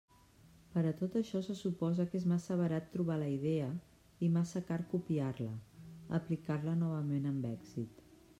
Per a tot això se suposa que és massa barat trobar la idea i massa car copiar-la, aplicar-la novament amb èxit.